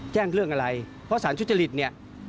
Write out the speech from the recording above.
แจ้งเรื่องอะไรเพราะศาลชุดจริตเนี่ย